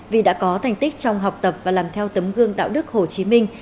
vì đã có thành tích trong học tập và làm theo tấm gương đạo đức hồ chí minh